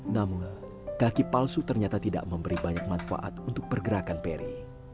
namun kaki palsu ternyata tidak memberi banyak manfaat untuk pergerakan peri